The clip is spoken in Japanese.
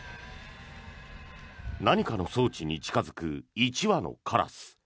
何かの装置に近付く１羽のカラス。